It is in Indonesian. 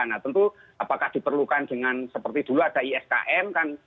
nah tentu apakah diperlukan dengan seperti dulu ada iskm kan